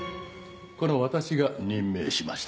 この私が任命しました。